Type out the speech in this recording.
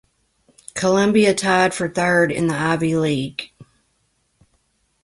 Columbia tied for third in the Ivy League.